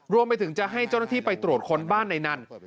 รวมไปถึงจะให้เจ้าหน้าที่ไปตรวจค้นบ้านในนั้น